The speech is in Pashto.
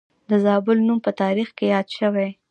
د زابل نوم په تاریخ کې یاد شوی